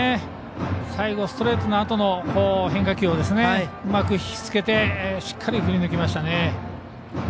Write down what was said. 最後ストレートのあとの変化球をうまく引き付けてしっかり振り抜きました。